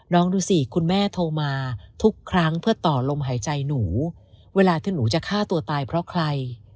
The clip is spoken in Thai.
ดูสิคุณแม่โทรมาทุกครั้งเพื่อต่อลมหายใจหนูเวลาที่หนูจะฆ่าตัวตายเพราะใคร